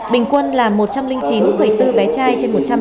bình quân là một trăm linh chín bốn bé trai trên một trăm linh bé gái